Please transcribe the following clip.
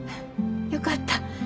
よかった。